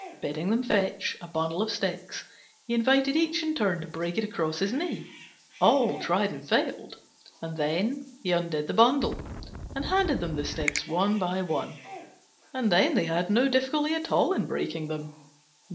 Bidding them fetch a bundle of sticks, he invited each in turn to break it across his knee. All tried and all failed: and then he undid the bundle, and handed them the sticks one by one, when they had no difficulty at all in breaking them.